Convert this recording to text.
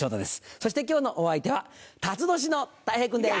そして今日のお相手はたつ年のたい平君です。